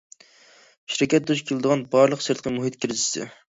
شىركەت دۇچ كېلىدىغان بارلىق سىرتقى مۇھىت كىرىزىسى.